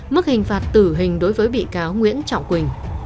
mức hình phạt tử hình đối với bị cáo nguyễn trọng quỳnh